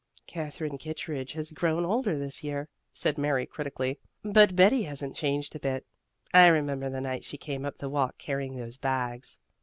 "Katherine Kittredge has grown older this year," said Mary critically, "but Betty hasn't changed a bit. I remember the night she came up the walk, carrying those bags."